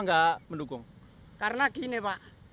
pemerintah belum ada yang masyarakat belum ada yang bisa mencari